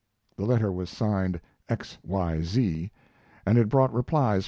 The letter was signed X. Y. Z.